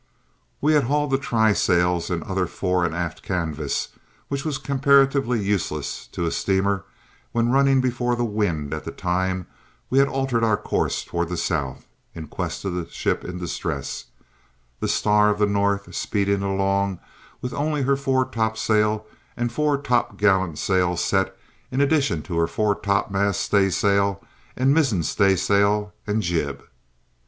We had hauled the trysails and other fore and aft canvas, which was comparatively useless to a steamer when running before the wind at the time we had altered course towards the south, in quest of the ship in distress, the Star of the North speeding along with only her fore topsail and fore topgallantsail set in addition to her fore topmast staysail and mizzen staysail and jib.